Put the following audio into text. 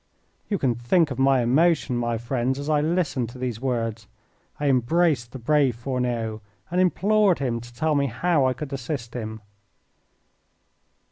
You can think of my emotion, my friends, as I listened to these words. I embraced the brave Fourneau, and implored him to tell me how I could assist him.